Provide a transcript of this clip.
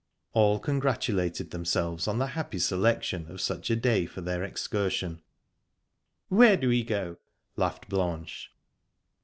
All congratulated themselves on the happy selection of such a day for their excursion. "Where do we go?" laughed Blanche.